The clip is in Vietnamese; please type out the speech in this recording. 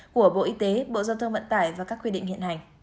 của bộ y tế bộ giao thông vận tải và các quy định hiện hành